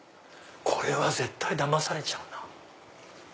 これは絶対だまされちゃうな。